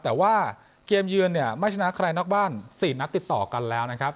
แต่ว่าเกมเยือนเนี่ยไม่ชนะใครนอกบ้าน๔นัดติดต่อกันแล้วนะครับ